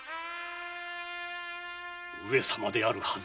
上様であるはずがない！